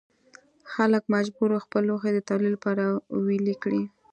خلک مجبور وو خپل لوښي د تولید لپاره ویلې کړي.